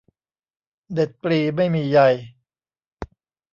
เด็ดปลีไม่มีใย